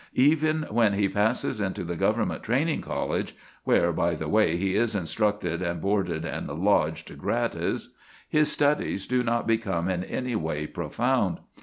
Even when he passes into the Government training college, where, by the way, he is instructed and boarded and lodged gratis, his studies do not become in any way profound.